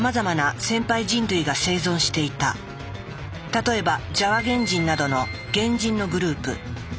例えばジャワ原人などの原人のグループ。